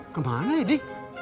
kemana ya di